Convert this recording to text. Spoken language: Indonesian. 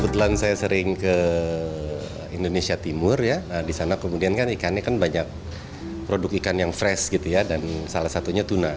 kebetulan saya sering ke indonesia timur ya di sana kemudian kan ikannya kan banyak produk ikan yang fresh gitu ya dan salah satunya tuna